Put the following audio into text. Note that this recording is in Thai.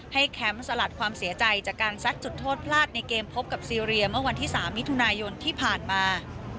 แคมป์สลัดความเสียใจจากการซัดจุดโทษพลาดในเกมพบกับซีเรียเมื่อวันที่๓มิถุนายนที่ผ่านมา